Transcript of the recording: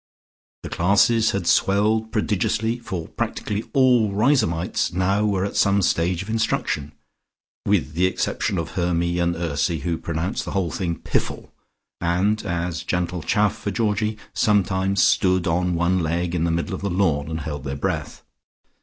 The classes had swelled prodigiously, for practically all Riseholmites now were at some stage of instruction, with the exception of Hermy and Ursy, who pronounced the whole thing "piffle," and, as gentle chaff for Georgie, sometimes stood on one leg in the middle of the lawn and held their breath.